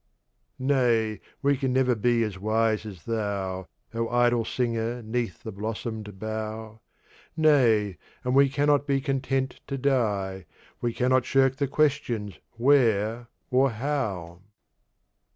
Nay, we can never be as wise as thou, O idle singer 'neath the blossomed bough. Nay, and we cannot be content to die. We cannot shirk the questions 'Where?' and 'How?'